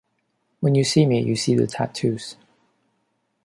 When you see me, you see the tattoos.